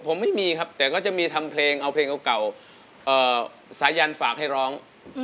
ผมไม่มีครับแต่ก็จะมีทำเพลงเอาเพลงเก่าสายันฝากให้ร้อง